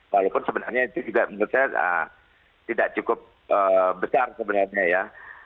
walaupun sebenarnya itu juga menurut saya tidak cukup besar sebenarnya ya